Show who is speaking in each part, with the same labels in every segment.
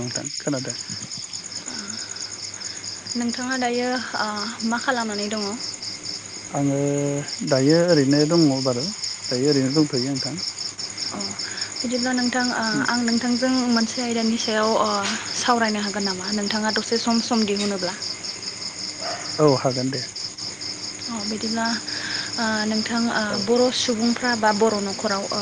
Speaker 1: नोंथां खोनादों
Speaker 2: नोंथाङा दायो मा खालामनानै दङ
Speaker 1: ओ दायो ओरैनो दङ बारु दायो ओरैनो दंथयो नोंथां
Speaker 2: अ बिदिब्ला नोंथां आं नोंथांजों मो आयदानि सायाव सावरायनो हागोन नामा नोंथाङा दसे सम सम दिहुनोब्ला
Speaker 1: औ हागोन दे।
Speaker 2: बिदिब्ला नोंथां ओ
Speaker 1: औ
Speaker 2: बर' सुबुं फ्रा बा बर' न'खराव आ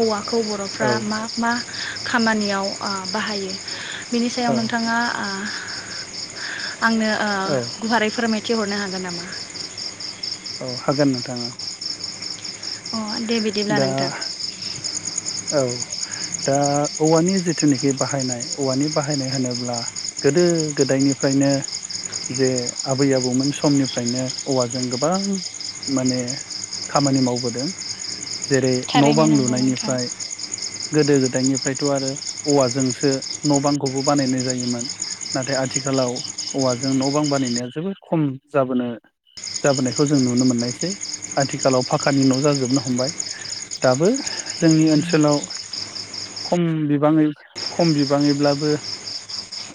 Speaker 2: औवाखौ बर'फ्रा
Speaker 1: औ
Speaker 2: मा मा खामानियाव आ बाहायो बिनि सायाव
Speaker 1: औ
Speaker 2: नोंथाङा आ आंनो ओ
Speaker 1: औ
Speaker 2: गुवारै फोरमाय थिहरनो हागोन नामा?
Speaker 1: अ हागोन नोंथां
Speaker 2: अ दे बिदिब्ला
Speaker 1: दा
Speaker 2: नोंथां
Speaker 1: औ दा औवानि जिथुनिखि बाहायनाय औवानि बाहायनाय होनोब्ला गोदो गोदायनिफ्रायनो जे आबै आबौमोन समनिफ्रायनो औवाजों गोबां माने खामानि मावबोदों जेरै न
Speaker 2: थारैनो
Speaker 1: बां
Speaker 2: नंगौ नोंथां
Speaker 1: लुनायनिफ्राय गोदो गोदायनिफ्रायथ आरो औवाजोंसो न बांखौबो बानायनाय जायोमोन नाथाय आथिखालाव औवाजों न बां बानायनाया जोबोद खम जाबोनो जाबोनायखौ जों नुनो मोननायसै आथिखालाव फाखानि न जाजोबनो हमबाय दाबो जोंनि ओनसोलाव सोलाव खम बिबाङै खम बिबाङैब्लाबो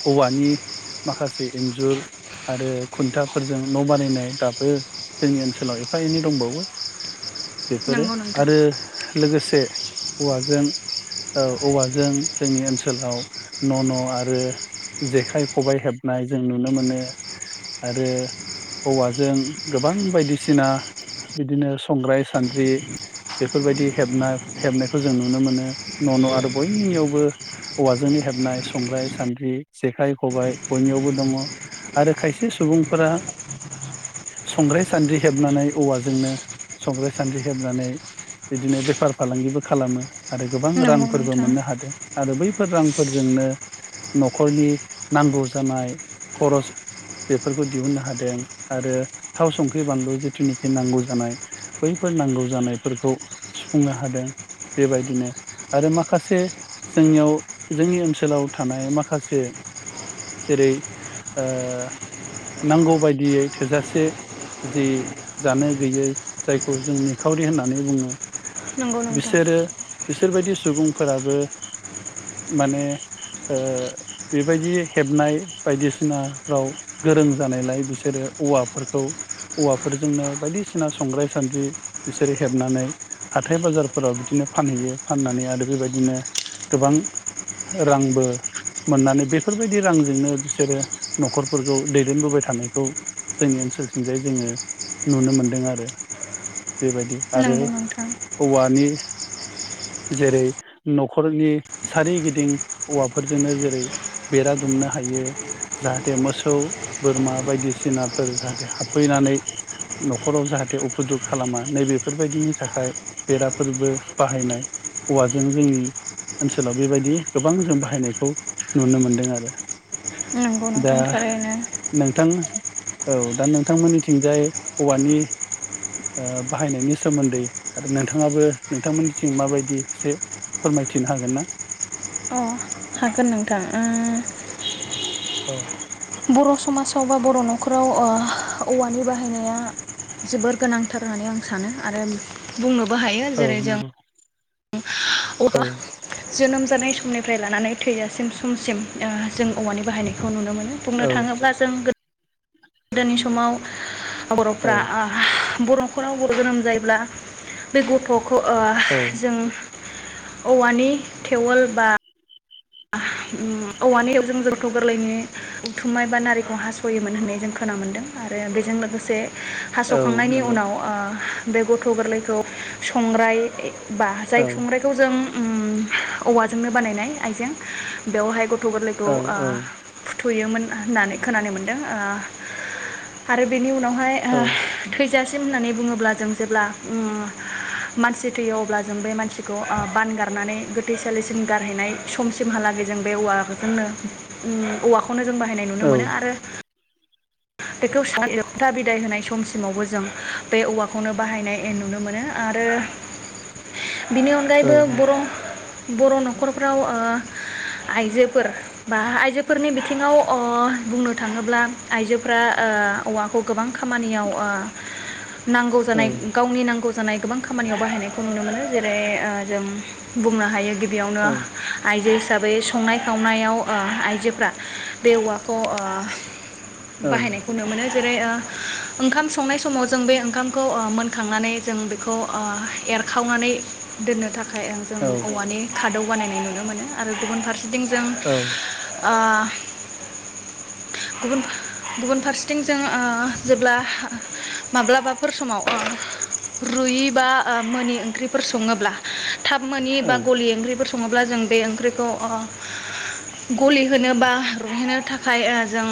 Speaker 1: औवानि माखासे इन्जुर आरो खुन्थाफोरजों न बानायनाय दाबो जोंनि ओनसोलाव एफा एनै दंबावो बेफोरो
Speaker 2: नंगौ नोंथां
Speaker 1: आरो लोगोसे औवाजों ओ औवाजों जोंनि ओनसोलाव न न आरो जेखाइ खबाइ हेबनाय जों नुनो मोनो आरो औवाजों गोबां बायदिसिना बिदिनो संग्राय सान्द्रि बेफोरबायदि हेबना हेबनाय खौ जों नुनो मोनो न न आरो बयनिनियावबो औवाजोंनो हेबनाय संग्राय सान्द्रि जेखाइ खबाइ बयनियावबो दङ आरो खायसे सुबुंफोरा संग्राय सान्द्रि हेबनानै औवाजोंनो संग्राय सान्द्रि हेबनानै बिदिनो बेफार फालांगिबो खालामो आरो गोबां
Speaker 2: नंगौ
Speaker 1: रांफोरबो
Speaker 2: नोंथां
Speaker 1: मोननो हादों आरो बैफोर रांफोरजोंनो नखरनि नांगौ जानाय खरस बेफोरखौ दिहुननो हादों आरो थाव संख्रि बानलु जिथुनिखि नांगौ जानाय बैफोर नांगौ जानायफोरखौ सुफुंनो हादों। बेबायदिनो आरो माखासे जोंनियाव जोंनि ओनसोलाव थानाय माखासे जेरै ओ नांगौ बायदियै थोजासे जि जानो गैयै जायखौ जों निखावरि होननानै बुङो
Speaker 2: नंगौ नोंथां
Speaker 1: बिसोरो बिसोरबायदि सुबुंफोराबो माने ओ बेबायदि हेबनाय बायदिसिनाफ्राव गोरों जानायलाय बिसोरो औवाफोरखौ औवाफोरजोंनो बायदिसिना संग्राय सान्द्रि बिसोरो हेबनानै हाथाय बाजार फोराव बिदिनो फानहैयो फाननानै आरो बेबायदिनो गोबां रांबो मोननानै बेफोरबायदि रांजोंनो बिसोरो नखरफोरखौ दैदेनबोबाय थानायखौ जोंनि ओनसोलथिंजाय जोङो नुनो मोनदों आरो बेबायदि आरो
Speaker 2: नंगौ नोंथां
Speaker 1: औवानि जेरै नखरनि सारिगिदिं औवाफोरजोंनो जेरै बेरा दुमनो हायो जाहाथे मोसौ बोरमा बायदिसिनाफोर जाहाथे हाबफैनानै नखराव जाहाथे उफुद्रुग खालामा नैबेफोरबायदिनि थाखाय बेरा फोरबो बाहायनाय औवाजों जोंनि ओनसोलाव बेबायदि गोबां जों बाहायनायखौ नुनो मोनदों आरो
Speaker 2: ओं थारैनो
Speaker 1: थां औ दा नोंथांमोननिथिंजाय औवानि ओ बाहायनायनि सोमोन्दै नोंथां नोंथाङाबो नोंथांमोननिथिं माबायदि एसे फोरमायथिनो हागोन ना
Speaker 2: अ हागोन नोंथां ओ [inaudible]
Speaker 1: औ
Speaker 2: बर समाजाव बा बर नखराव ओ औवानि बाहायनाया जोबोर गोनांथार होननानै आं सानो आरो बुंङो बाहायो
Speaker 1: औ
Speaker 2: जेरै जों
Speaker 1: नंगौ औ
Speaker 2: अब्ला जोनोम जानाय समनिफ्राय लानानै थैजासिम समसिम ओ जों औवानि बाहायनायखौ नुनो मोनो
Speaker 1: औ
Speaker 2: बुंनो थाङोब्ला जों गोद गोदोनि समाव
Speaker 1: औ
Speaker 2: बरफ्रा ओ बर नखराव गथ जोनोम जायोब्ला बे गथ खौ ओ
Speaker 1: औ
Speaker 2: जों औवानि थेवल बा उम औवानि जों जौथ गोरलैनि उथुमनाय बा नारिखौ हासयोमोन होननाय जों खोना मोनदों आरो बेजों लोगोसे
Speaker 1: औ
Speaker 2: हासखांनायनि
Speaker 1: नंगौ
Speaker 2: उनाव ओ बे गथ गोरलैखौ संग्राय बा
Speaker 1: औ
Speaker 2: जाय संग्रायखौ जों उम औवाजोंनो बानायनाय आइजें बेवहाय गथ गथ
Speaker 1: औ
Speaker 2: गोरलैखौ ओ फुथुयोमोन। होननानै खोनानो मोनदों ओ आरो बेनि उनाव आमफाय
Speaker 1: औ
Speaker 2: ओ थैजासिम होननानै बुङोब्ला जों जेब्ला ओ मानसि थैयो अब्ला जों बे मानसिखौ ओ बान गारनानै गोथैसालिसिम गारहैनाय समसिम हालागै जों बे औवानो ओं औवाखौ खौनो जों बाहायनाय नुनो
Speaker 1: औ
Speaker 2: मोनो आरो बेखौथा बिदाय होनाय समसिमावबो जों बे औवाखौनो बाहायनाय नुनो मोनो आरो बिनि अनगायैबो
Speaker 1: नंगौ
Speaker 2: बर बर नखरफ्राव ओ आइजोफोर बा आइजो फोरनि बिथिङाव ओ बुंनो थाङोब्ला आइजोफ्रा ओ औवाखौ गोबां खामानियाव ओ नांगौ जानाय
Speaker 1: औ औ
Speaker 2: गावनि नांगौनि जानाय गोबां खामानियाव बाहायनायखौ नुनो मोनो जेरै जों बुंनो हायो गिबियावनो
Speaker 1: औ नंगौ औ नंगौ औ
Speaker 2: आइजो हिसाबै संनाय खावनायाव आइजोफ्रा बे औवाखौ बाहायनायखौ नु मोनो जेरै ओंखाम संनायनाय समाव जों बे ओंखामखौ मोनखांनानै जों बेखौ एरखावनानै दोननो थाखा जों औवानि खादौ बानायनाय नुनो मोनो आरो गुबुन फारसे बिदिं जों ओ गुबुन गुबुन फारसेथिं जों जेब्ला माब्लाबाफोर समाव रुयि बा मोनोनि ओंख्रिफोर सङोब्ला थाब मानि बबा गलि ओंख्रिफोर सङोब्ला जों बे ओंख्रिखौ ओ गलिहोनो बा रुहोनो थाखाय ओ जों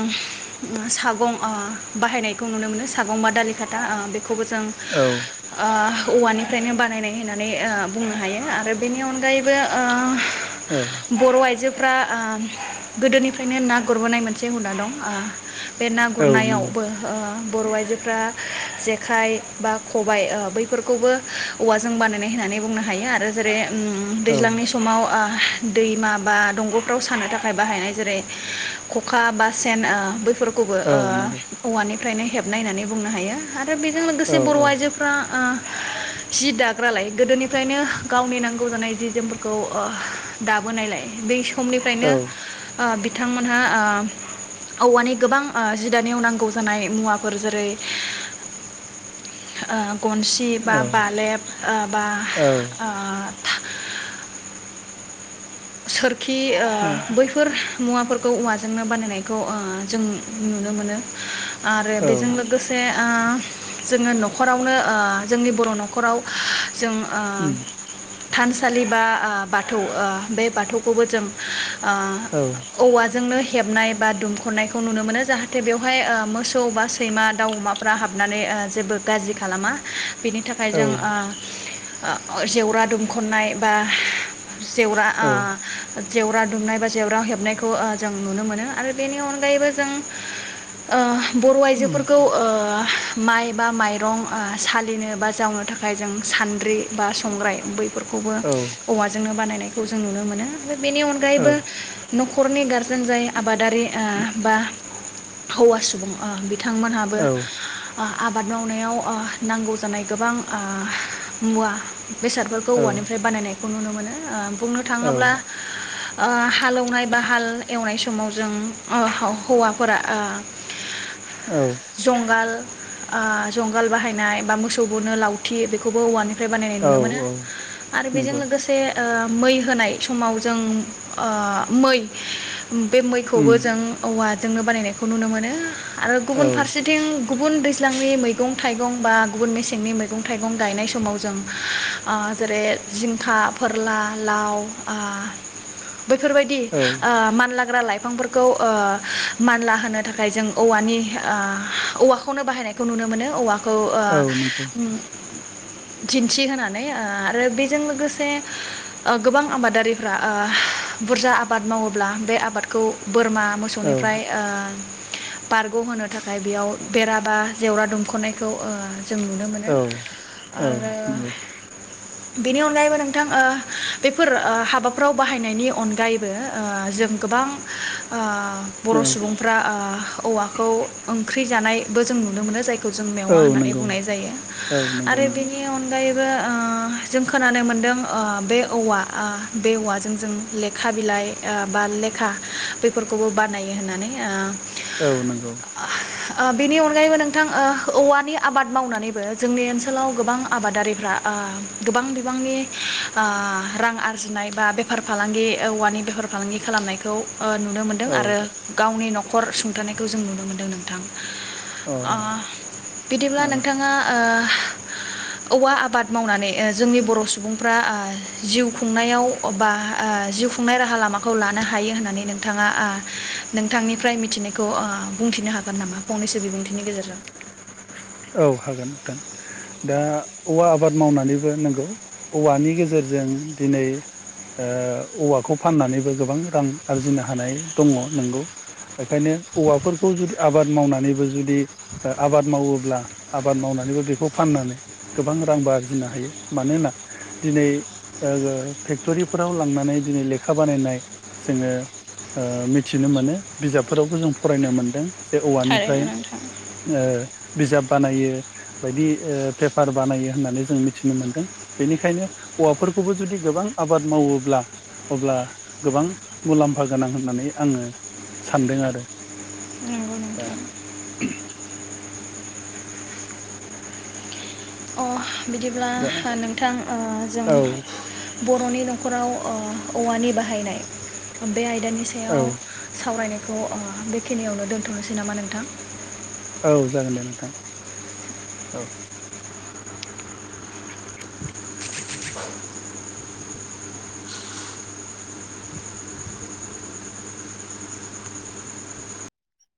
Speaker 2: सागं ओ बाहायनायखौ नुनो मोनो सागं बा दालि खाथा ओ खौबो जों
Speaker 1: औ
Speaker 2: ओ औवानिफ्रायनो बानायनाय होननानै बुंनो हायो आरो बेनि अनगायैबो
Speaker 1: औ
Speaker 2: ओ बर आइजो फ्रा ओ गोदोनिफ्रायनो ना गुरबोनाय मोनसे हुदा दं ओ बे ना गुरनायावबो ओ बर आइजोफ्रा जेखाइ बा खबाय बैफोरखौबो औवाजों बानायनाय होननानै बुंनो हायो आरो जेरै ओ दैज्लांनि समाव ओ दैमा बा दंगफ्राव सानो थाखाय बाहायनाय जेरै खखा बा सेन ओ फोरखौबो
Speaker 1: औ उम औ
Speaker 2: ओ औवानि फ्रायनो हेबनाय होननानै बुंनो हायो दा बेजों
Speaker 1: औ
Speaker 2: लोगोसे बर आइजोफ्रा ओ जि दाग्रालाय गोदोनिफ्रायनो गावनि नांगौ जानाय जि जोमफोरखौ ओ दाबोनायलाय बै समनिफ्रायनो ओ बिथांमोनहा ओ औवानि गोबां ओ जि दानायाव नांगौ जानाय मुवाफोर जेरै ओ गनसि बा बालेब ओ बा ओ सोर खि बैफोर मुवाफोरखौ औवाजोंनो बानायनायखौ ओ जों नुनो मोनो आरो बेजों लोगोसे ओ जोङो नखरावनो ओ जोंनि बर' नखराव जों ओ थान सालि बा ओ बाथौ ओ बे बाथौखौबो जों
Speaker 1: उम औ
Speaker 2: ओ औवाजोंनो हेबनाय बा दुमखनायखौ नुनो मोनो जाहाथे बेवहाय मोसौ बा सैमा दाउ अमाफ्रा हाबनानै जेबो गाज्रि खालामा बेनि थाखाय
Speaker 1: औ
Speaker 2: जों ओ ओ जेवरा दुमखनाय बा जेव ओ जेवरा दुमनाय बा जेवरा हेबनायखौ ओ जों नुनो मोनो आरो बेनि अनगायैबो जों ओ बर' आइजोफोरखौ ओ माइ बा माइरं सालिनो बा जावनो थाखाय जों सान्द्रि बा संग्राय बै फोरखौबो
Speaker 1: औ
Speaker 2: औवाजोंनो बानायनाय खौ जों नुनो मोनो। बेनि अनगायैबो न खरनि गार जों जाय आबादारि ओ बा हौवा सुबुं ओ बिथांमोनहाबो आबाद मावनायाव ओ नांगौ जानाय गोबां ओ मुवा बेसादफोरखौ औवानिफ्राय बानायनायखौ नुनो मोनो। ओ। बुंनो थाङोब्ला ओ हालौनाय बा हाल एवनाय माव जों ओ हौव हौवाफोरा ओ
Speaker 1: औ
Speaker 2: जंगाल ओ जंगाल बाहायनाय बा मोसौ बुनो लावथि बेखौबो औवानि फ्राय बानायनाय नुनो मोनो
Speaker 1: औ औ नंगौ
Speaker 2: आरो बेजों लोगोसे ओ मै होनाय समाव जों ओ मै बे मैखौबो जों
Speaker 1: उम
Speaker 2: औवा जोंनो बानायनायखौ नुनो मोनो आरो
Speaker 1: औ
Speaker 2: गुबुन
Speaker 1: नंगौ
Speaker 2: फारसेथिं गुबुन दैज्लांनि मैगं थाइगं बा गुबुन मेसेंनि मैगं थाइगं गायनाय समाव जों ओ जेरै जिंखा फोरला लाउ आ बैफोरबायदि ओ मानलाग्रा लाइफ बिफांफोरखौ ओ मानला होनो थाखाय जों औवानि ओ औवाखौनो बाहायनायखौ नुनो मोनो औव खौ ओ उम दिन्थिहोनानै ओ आरो बेजों लोगोसे ओ गोबां आबादारिफ्रा ओ बुरजा आबाद मावोब्ला बे आबादखौ बोरमा मोसौनिफ्राय
Speaker 1: औ
Speaker 2: ओ बारगहोनो थाखाय बेयाव बेराबा जेवरा दुमखनायखौ ओ जों नुनो
Speaker 1: औ
Speaker 2: मोनो
Speaker 1: औ
Speaker 2: आरो
Speaker 1: नंगौ
Speaker 2: बेनि अनगायैबो नोंथां ओ [unintelligible] बेफोर हाबाफोराव बाहायनायनि अनगायैबो ओ जों गोबां ओ
Speaker 1: औ
Speaker 2: बर' सुबुंफ्रा ओ औवाखौ ओंख्रि जानाय बो जों नुनो मोनो जाय खौ जों मेवा
Speaker 1: औ
Speaker 2: होननानै
Speaker 1: नंगौ
Speaker 2: बुंनाय जायो
Speaker 1: औ नंगौ
Speaker 2: आरो
Speaker 1: नंगौ
Speaker 2: बेनि अनगायै बो ओ जों खोनानो मोनदों ओ बे औवा ओ बे औवाजों जों लेखा बिलाइ ओ बा लेखा बेफोरखौबो बानायो होननानै ओ
Speaker 1: औ नंगौ
Speaker 2: ओ बिनि अनगायैबो नोंथां ओ औवानि आबाद मावनानैबो जोंनि ओनसोलाव गोबां आबादारिफ्रा ओ गोबां बिबांनि ओ रां आरजिनाय बा बेफार फालांगि औवानि बेफार फालांगि खालामनायखौ ओ नुनो मोनदों
Speaker 1: औ
Speaker 2: आरो गावनि नख खर सुंथानायखौ जों नुनो मोन्दों नोंथां
Speaker 1: अ
Speaker 2: ओ बिदिब्ला
Speaker 1: औ
Speaker 2: नोंथाङा ओ औवा आबाद मावनानै ओ जोंनि बर' सुबुंफ्रा ओ जिउ खुंनायाव बा ओ जिउ खुंनाय राहा लामाखौ लानो हायो होननानै नोंथाङा ओ नोंथांनिफ्राय मिथिनायखौ ओ बुंथिनो हागोन नामा फंनैसो बिबुंथिनि गेजेरजों?
Speaker 1: औ हागोन नोंथां दा औवा आबाद मावनानैबो नंगौ औवानि गेजेरजों दिनै ओ औवाखौ फाननानैबो गोबां रां आरजिनो हानाय दङ नंगौ बेखायनो औवाफोरखौ जुदि आबाद मावनानैबो जुदि आबाद मावोब्ला आबाद मावनानैबो बेखौ फाननानै गोबां रांबो आरजिनो हायो मानोना दिनै ओ फेक्टरिफोराव लांनानै दिनै लेखा बानायनाय जोङो ओ मिथिनो मोनो बिजाबफोरावबो जों फरायनो मोनदों। जे
Speaker 2: थारैनो
Speaker 1: औवानिफ्राय
Speaker 2: नोंथां
Speaker 1: ओ बिजाब बानायो बायदि पेपार बानायो होननानै जों मिथिनो मोन्दों बेनिखायनो औवाफोरखौबो जुदि गोबां आबाद मावोब्ला अब्ला गोबां मुलाम्फा गोनां होननानै आङो सानदों आरो
Speaker 2: नंगौ नोंथां अ बिदिब्ला
Speaker 1: दा
Speaker 2: नोंथां जों
Speaker 1: औ
Speaker 2: बर'नि नख'राव औवानि बाहायनाय बे आयदानि
Speaker 1: औ
Speaker 2: सायाव सावरायनाय थ बेखिनियावनो दोन्थनोसै नामा नोंथां?
Speaker 1: औ जागोन दे नोंथां औ।